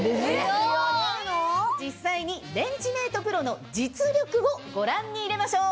実際にレンジメートプロの実力をご覧に入れましょう！